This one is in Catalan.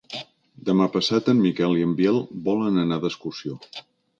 Demà passat en Miquel i en Biel volen anar d'excursió.